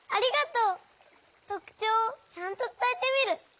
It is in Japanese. とくちょうをちゃんとつたえてみる！